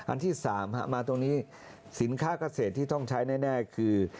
อันที่๓มาตรงนี้สินค้าเกษตรที่ต้องใช้แน่คือ